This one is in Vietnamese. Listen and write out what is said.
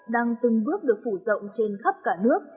đang từng bước được phủ rộng trên khắp cả nước